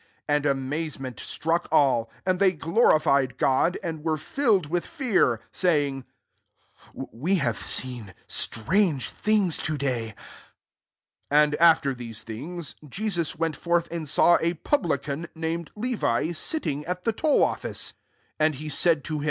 S6 And amazeoMi^ struck ail, and they glorified Gk>d, and were fitted with faaiv saying, <* We have seen strange things to day." S7 And after these thtegs Jesus went forth and saw a pub lican, named Levi, sitting at the toll ofiice: and &e saiv tb LUKE VI.